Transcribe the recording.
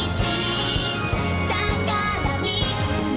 「だからみんな」